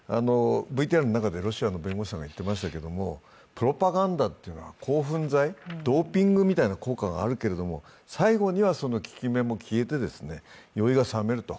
ＶＴＲの中でロシアの弁護士さんが言っていましたけれどもプロパガンダは興奮剤、ドーピングのような効果があるけれども、最後にはその効き目も消えて酔いがさめる。